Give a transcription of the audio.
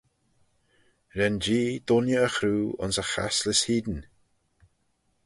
Ren Jee dooinney y chroo ayns e chaslys hene.